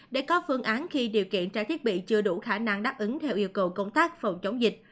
để có phương án khi điều kiện trái thiết bị chưa đủ khả năng đáp ứng theo yêu cầu công tác phòng chống dịch